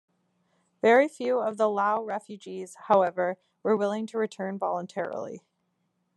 Very few of the Lao refugees, however, were willing to return voluntarily.